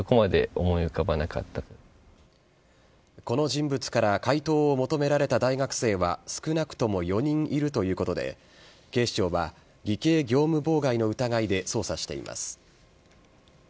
この人物から解答を求められた大学生は少なくとも４人いるということで警視庁は偽計業務妨害の疑いで捜査しています。